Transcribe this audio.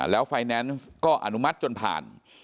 แล้วไฟแนนซ์ก็อนุมัติจนผ่าน